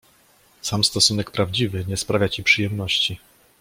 Sam stosunek prawdziwy nie sprawia ci przyjemności.